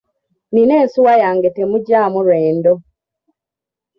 Nnina ensuwa yange temugyamu lwendo.